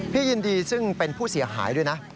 ยินดีซึ่งเป็นผู้เสียหายด้วยนะ